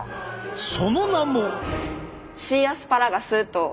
その名も。